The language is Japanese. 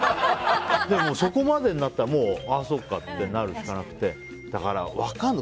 そこまでになったらああ、そっかってなるしかなくてだから分からない。